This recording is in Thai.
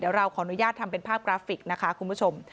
เดี๋ยวเราขออนุญาตทำเป็นภาพกราฟิกนะคะคุณผู้ชม